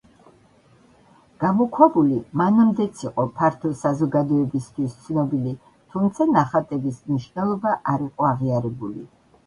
გამოქვაბული მანამდეც იყო ფართო საზოგადოებისთვის ცნობილი, თუმცა ნახატების მნიშვნელობა არ იყო აღიარებული.